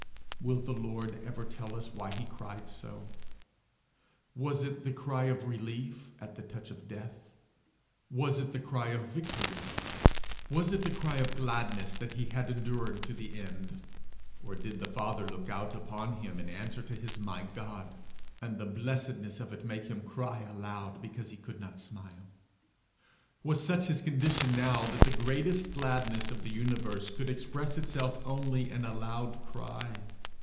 Will the Lord ever tell us why he cried so? Was it the cry of relief at the touch of death? Was it the cry of victory? Was it the cry of gladness that he had endured to the end? Or did the Father look out upon him in answer to his My God, and the blessedness of it make him cry aloud because he could not smile? Was such his condition now that the greatest gladness of the universe could express itself only in a loud cry?